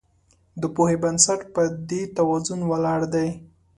د پوهې بنسټ په دې توازن ولاړ دی.